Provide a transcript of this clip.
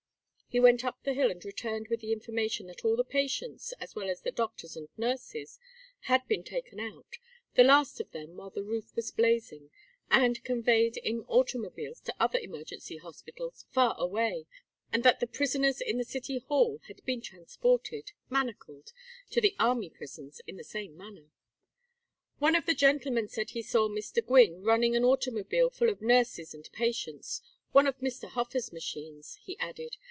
He went up the hill and returned with the information that all the patients, as well as the doctors and nurses, had been taken out, the last of them while the roof was blazing, and conveyed in automobiles to other emergency hospitals far away; and that the prisoners in the City Hall had been transported, manacled, to the army prisons in the same manner. "One of the gentlemen said he saw Mr. Gwynne running an automobile full of nurses and patients one of Mr. Hofer's machines," he added.